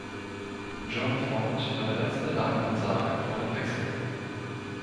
John Ford war der letzte Live-Ansager vor dem Wechsel.